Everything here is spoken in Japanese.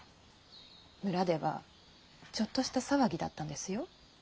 村ではちょっとした騒ぎだったんですよ。